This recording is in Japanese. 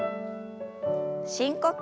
深呼吸。